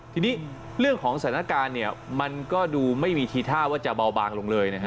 ทีนี้เรื่องของสถานการณ์มันก็ดูไม่มีทีท่าว่าจะเบาบางลงเลยนะฮะ